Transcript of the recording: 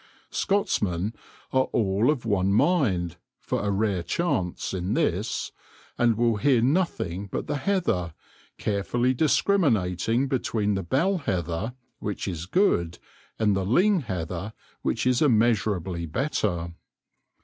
Scotsmen are all of one mind, for a rare chance, in this ; and will hear of nothing but the heather, carefully discriminating between the bell heather, which is good, and the ling heather, which is immeasurably better.